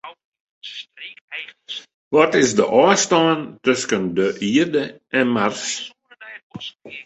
Wat is de ôfstân tusken de Ierde en Mars?